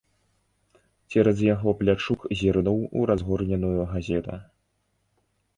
Цераз яго плячук зірнуў у разгорненую газету.